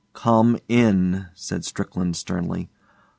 'Come in,' said Strickland sternly.